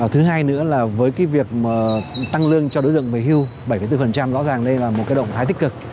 thứ hai nữa là với việc tăng lương cho đối tượng về hưu bảy bốn rõ ràng đây là một cái động thái tích cực